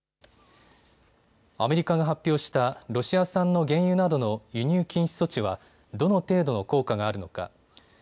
アメリカが発表したロシア産の原油などの輸入禁止措置はどの程度の効果があるのか。